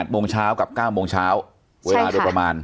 โมงเช้ากับ๙โมงเช้าเวลาโดยประมาณ